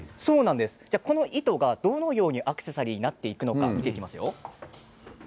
この糸が、どのようにアクセサリーになっていくのか見ていきますよ。